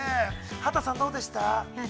畑さんどうでした。